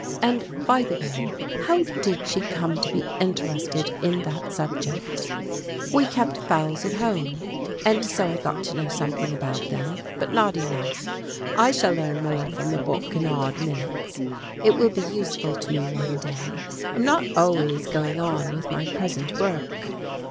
And, by the way, how did she come to be interested in that subject? "We kept fowls at home, and so I got to know something about them but not enough. I shall learn more from the book in odd minutes. It will be useful to me one day. I'm not always going on with my present work."